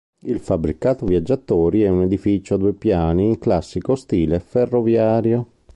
Il fabbricato viaggiatori è un edificio a due piani in classico stile ferroviario.